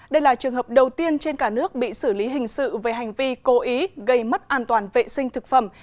đây là trường hợp đầu tiên trên cả nước bị xử lý hình sự về hành vi cố ý gây mất an toàn vệ sinh thực phẩm